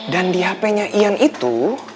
dan di hpnya ian itu